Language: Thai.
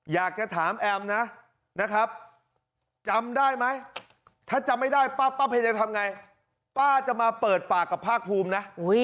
อยากจะถามแอมนะนะครับจำได้ไหมถ้าจำไม่ได้ป้าเพลจะทำไงป้าจะมาเปิดปากกับภาคภูมินะ